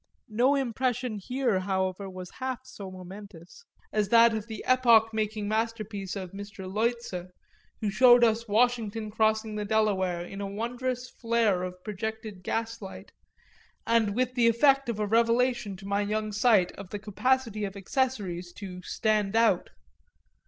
No impression here, however, was half so momentous as that of the epoch making masterpiece of Mr. Leutze, which showed us Washington crossing the Delaware in a wondrous flare of projected gaslight and with the effect of a revelation to my young sight of the capacity of accessories to "stand out."